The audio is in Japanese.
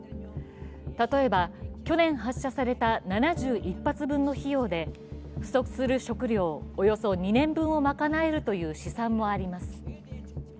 例えば、去年発射された７１発分の費用で不足する食糧、およそ２年分を賄えるという試算もあります。